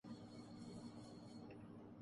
بہو نندوں سے برسر پیکار ہے۔